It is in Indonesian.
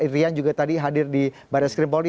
rian juga tadi hadir di barat skrimpol